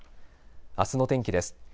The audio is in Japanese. あすの天気です。